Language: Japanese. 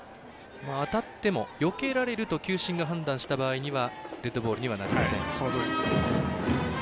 当たってもよけられると球審が判断した場合にはデッドボールにはなりません。